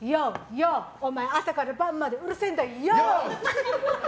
ＹＯ！お前、朝から晩までうるせえんだＹＯ！って。